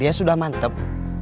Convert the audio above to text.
dia sudah mantep